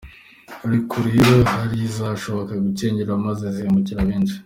Ariko rero hari izashoboya gucengera maze zihemukira benshi.